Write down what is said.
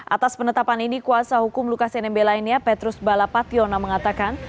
atas penetapan ini kuasa hukum lukas nmb lainnya petrus balapationa mengatakan